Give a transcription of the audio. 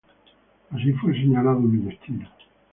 Así fue señalado mi destino.